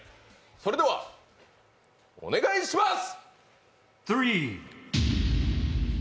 それでは、お願いします！